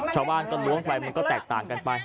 ชาวบ้านก็ล้วงไปมันก็แตกต่างกันไป